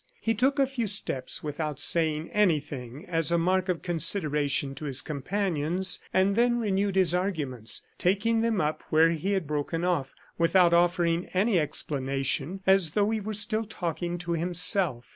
He took a few steps without saying anything, as a mark of consideration to his companions, and then renewed his arguments, taking them up where he had broken off, without offering any explanation, as though he were still talking to himself.